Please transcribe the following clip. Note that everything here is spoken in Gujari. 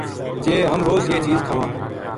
جے ہم روز یہ چیز کھاواں